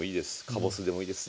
かぼすでもいいです